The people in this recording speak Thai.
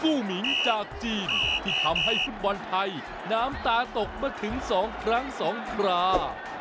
หมิงจากจีนที่ทำให้ฟุตบอลไทยน้ำตาตกมาถึง๒ครั้ง๒ครา